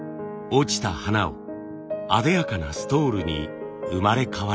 落ちた花をあでやかなストールに生まれ変わらせる。